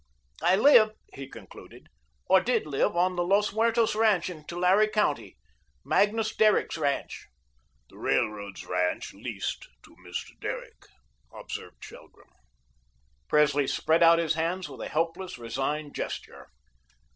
I live," he concluded, "or did live on the Los Muertos ranch in Tulare County Magnus Derrick's ranch." "The Railroad's ranch LEASED to Mr. Derrick," observed Shelgrim. Presley spread out his hands with a helpless, resigned gesture.